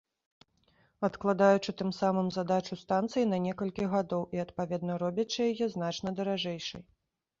Адкладаючы тым самым здачу станцыі на некалькі гадоў і, адпаведна, робячы яе значна даражэйшай.